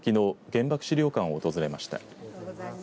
原爆資料館を訪れました。